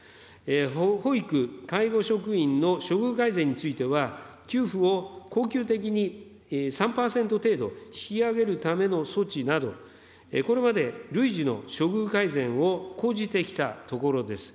保育、介護職員の処遇改善については、給付を恒久的に３％程度引き上げるための措置など、これまで累次の処遇改善を講じてきたところです。